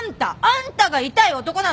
あんたが痛い男なの！